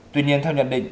tuy nhiên theo nhận định